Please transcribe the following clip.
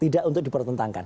tidak untuk dipertentangkan